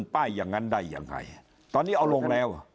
ตอนนี้เอาลงแล้ว